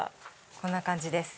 こんな感じです。